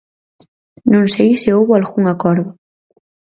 Non sei se houbo algún acordo.